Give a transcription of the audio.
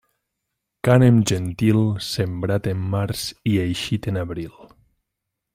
Cànem gentil, sembrat en març i eixit en abril.